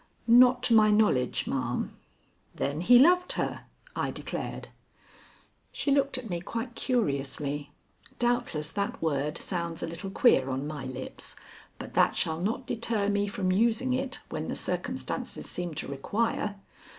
"Not to my knowledge, ma'am." "Then he loved her," I declared. She looked at me quite curiously. Doubtless that word sounds a little queer on my lips, but that shall not deter me from using it when the circumstances seem to require.